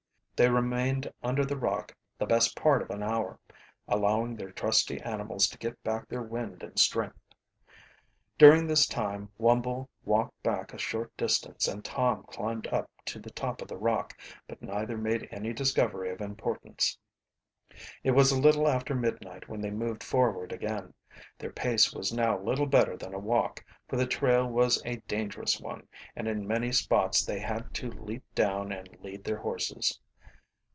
They remained under the rock the best part of an hour, allowing their trusty animals to get back their wind and strength. During this time Wumble walked back a short distance and Tom climbed up to the top of the rock, but neither made any discovery of importance. It was a little after midnight when they moved forward again. Their pace was now little better than a walk, for the trail was a dangerous one, and in many spots they had to leap down and lead their horses.